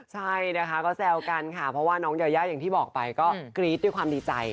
ใช่นะคะก็แซวกันค่ะเพราะว่าน้องยายาอย่างที่บอกไปก็กรี๊ดด้วยความดีใจ